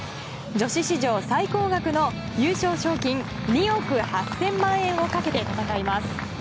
女子史上最高額の優勝賞金２億８０００万円をかけて戦います。